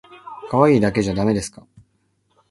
かわいいだけじゃだめですか